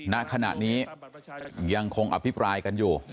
ณขณะนี้ยังคงอภิปรายกันอยู่